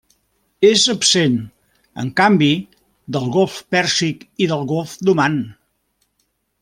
És absent, en canvi, del golf Pèrsic i del golf d'Oman.